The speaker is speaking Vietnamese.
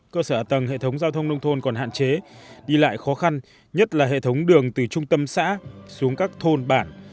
cơ sở ở tầng hệ thống giao thông nông thôn còn hạn chế đi lại khó khăn nhất là hệ thống đường từ trung tâm xã xuống các thôn bản